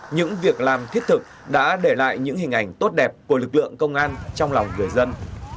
những việc làm thiết thực đã để lại những hình ảnh tốt đẹp của lực lượng công an trong lòng người dân